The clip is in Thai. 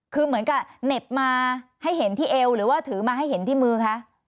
คือเหมือนกับเหน็บมาให้เห็นที่เอวหรือว่าถือมาให้เห็นที่มือคะ